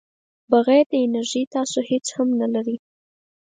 بغیر د انرژۍ تاسو هیڅ هم نه لرئ.